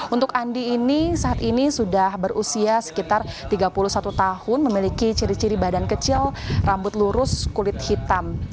untuk andi ini saat ini sudah berusia sekitar tiga puluh satu tahun memiliki ciri ciri badan kecil rambut lurus kulit hitam